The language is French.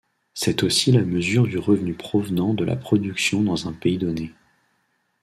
C'est aussi la mesure du revenu provenant de la production dans un pays donné.